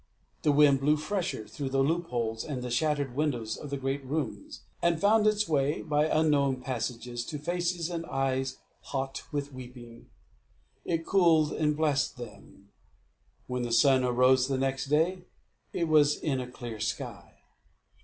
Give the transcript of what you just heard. The wind blew fresher through the loopholes and the shattered windows of the great rooms, and found its way, by unknown passages, to faces and eyes hot with weeping. It cooled and blessed them. When the sun arose the next day, it was in a clear sky.